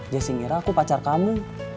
jessi ngira aku pacar kamu